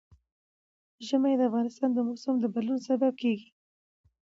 ژمی د افغانستان د موسم د بدلون سبب کېږي.